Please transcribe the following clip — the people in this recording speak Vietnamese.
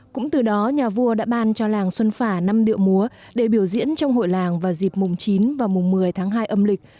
cũng từ đó nhà vua đã ban cho làng xuân phả năm điệu múa để biểu diễn trong hội làng vào dịp mùng chín và mùng một mươi tháng hai âm lịch